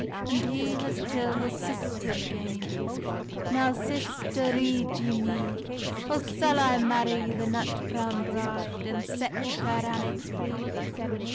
And he has till his sister gane: "Now, sister, rede ye mee; O sall I marrie the nut browne bride, And set Fair Annet free?"